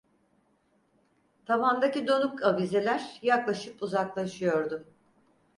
Tavandaki donuk avizeler yaklaşıp uzaklaşıyordu.